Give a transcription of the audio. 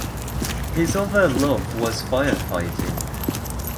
His other love was firefighting.